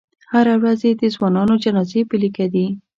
هره ورځ یې د ځوانانو جنازې په لیکه دي.